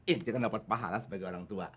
inti kan dapat pahala sebagai orang tua